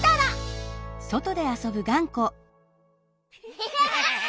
アハハハ！